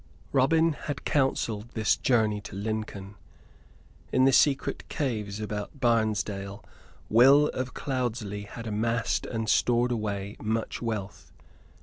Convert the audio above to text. Robin had counselled this journey to Lincoln. In the secret caves about Barnesdale, Will of Cloudesley had amassed and stored away much wealth.